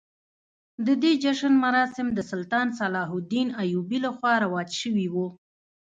د دې جشن مراسم د سلطان صلاح الدین ایوبي لخوا رواج شوي وو.